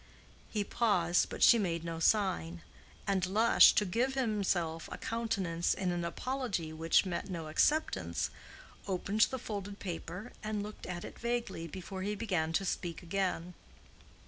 He paused, but she made no sign, and Lush, to give himself a countenance in an apology which met no acceptance, opened the folded paper, and looked at it vaguely before he began to speak again.